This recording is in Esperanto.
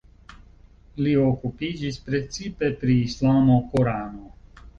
Li okupiĝis precipe pri islamo, Korano.